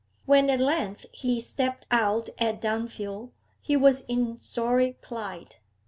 When at length he stepped out at Dunfield, he was in sorry plight.